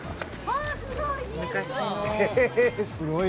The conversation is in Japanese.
すごい！